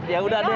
ya udah deh